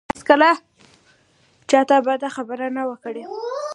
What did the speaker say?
ما هېڅکله چاته بده خبره نه وه کړې